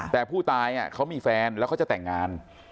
แต่ผู้ตายเขามีแฟนแล้วเขาจะแต่งงาน